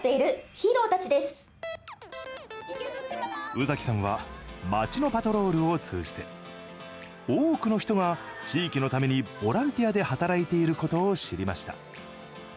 宇崎さんは街のパトロールを通じて多くの人が、地域のためにボランティアで働いていることを知りました。